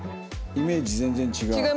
イメージ全然違う。